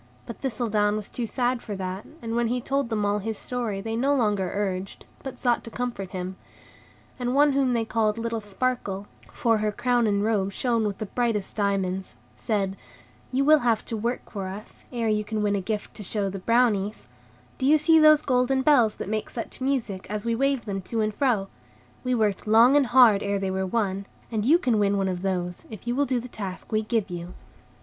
But Thistledown was too sad for that, and when he told them all his story they no longer urged, but sought to comfort him; and one whom they called little Sparkle (for her crown and robe shone with the brightest diamonds), said: "You will have to work for us, ere you can win a gift to show the Brownies; do you see those golden bells that make such music, as we wave them to and fro? We worked long and hard ere they were won, and you can win one of those, if you will do the task we give you."